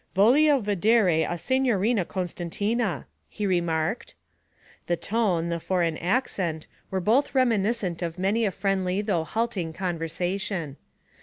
'Voglio vedere la Signorina Costantina,' he remarked. The tone, the foreign accent, were both reminiscent of many a friendly though halting conversation.